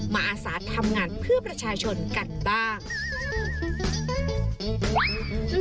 อาสาทำงานเพื่อประชาชนกันบ้าง